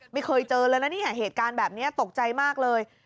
ไม่เคยเจอเลยนะเนี่ยเหตุการณ์แบบนี้ตกใจมากเลย